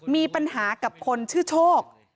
มีปัญหากับคนชื่อโชค